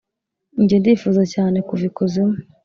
njye, ndifuza cyane kuva ikuzimu,